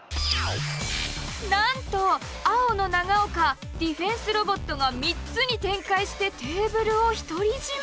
なんと青の長岡ディフェンスロボットが３つに展開してテーブルを独り占め！